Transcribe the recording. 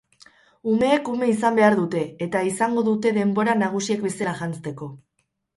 Umeek ume izan behar dute, eta izango dute denbora nagusiek bezala janzteko.